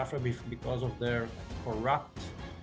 mereka menderita karena kepemimpinannya